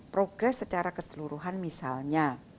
progres secara keseluruhan misalnya